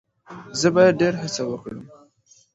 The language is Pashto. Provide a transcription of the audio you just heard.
زه باید ډیر هڅه وکړم.